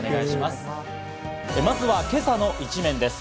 まずは今朝の一面です。